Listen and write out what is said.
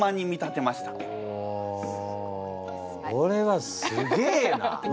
これはすげえな！